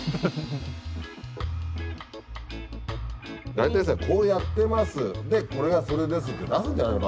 大体さ「こうやってます。これがそれです」って出すんじゃないの？